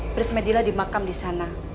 beresmedilah di makam di sana